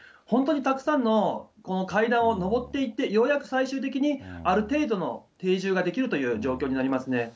本当にたくさんの階段を上っていって、ようやく最終的に、ある程度の定住ができるという状況になりますね。